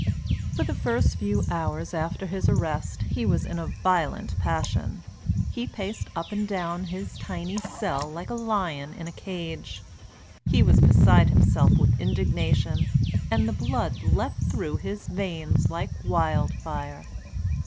For the first few hours after his arrest he was in a violent passion; he paced up and down his tiny cell like a lion in a cage; he was beside himself with indignation, and the blood leapt through his veins like wildfire.